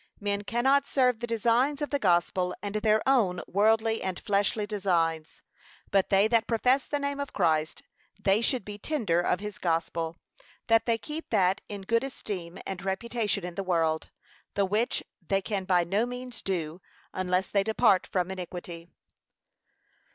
Men cannot serve the designs of the gospel, and their own worldly and fleshly designs. But they that profess the name of Christ, they should be tender of his gospel, that they keep that in good esteem and reputation in the world. The which they can by no means do, unless they depart from iniquity.